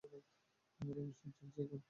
আমার অনুষ্ঠান চলছে এখন!